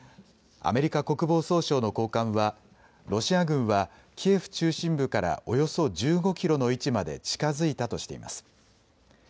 アメリカ国防総省の高官はロシア軍はキエフ中心部からおよそ１５キロの位置まで近づいたとしています。